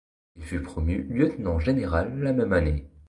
Il fut promu lieutenant-général la même année.